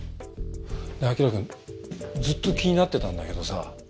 ねえ輝くんずっと気になってたんだけどさ